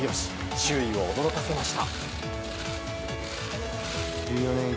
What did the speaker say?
周囲を驚かせました。